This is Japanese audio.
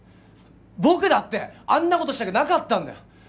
僕だってあんなことしたくなかったんだよ！